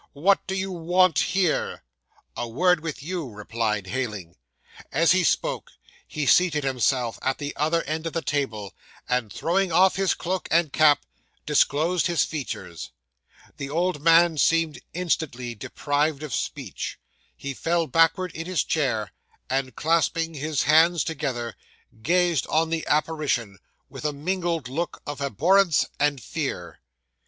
What do you want here?" '"A word with you," replied Heyling. As he spoke, he seated himself at the other end of the table, and, throwing off his cloak and cap, disclosed his features. 'The old man seemed instantly deprived of speech. He fell backward in his chair, and, clasping his hands together, gazed on the apparition with a mingled look of abhorrence and fear.